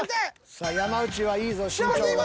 さあ山内はいいぞ身長が。